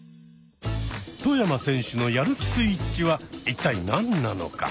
外山選手のやる気スイッチは一体何なのか？